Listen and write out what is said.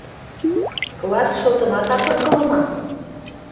Класс шотымат ат ынгылы ма?